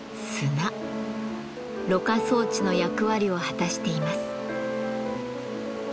ろ過装置の役割を果たしています。